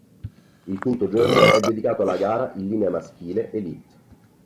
Il quinto giorno è dedicato alla gara in linea maschile Elite.